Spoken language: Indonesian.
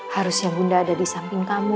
harusnya bunda ada di samping kamu